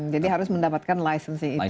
jadi harus mendapatkan license nya itu